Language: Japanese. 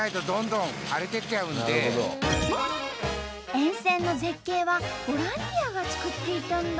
沿線の絶景はボランティアがつくっていたんだ！